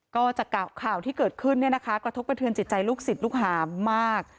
ก็จากข่าวที่เกิดขึ้นเนี่ยนะคะกระทบกระเทือนจิตใจลูกศิษย์ลูกหามาก